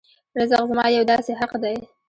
رزق زما یو داسې حق دی.